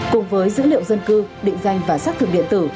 cùng với dữ liệu dân cư định danh và xác thực điện tử